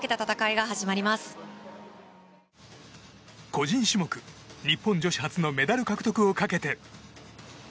個人種目、日本女子初のメダル獲得をかけて。